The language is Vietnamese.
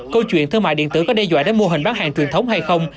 câu chuyện thương mại điện tử có đe dọa đến mô hình bán hàng truyền thống hay không